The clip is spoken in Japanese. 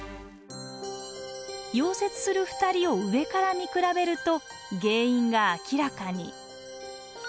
溶接する２人を上から見比べると原因が明らかに。